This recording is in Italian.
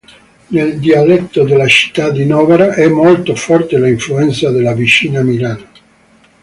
Nel dialetto della città di Novara è molto forte l'influenza della vicina Milano.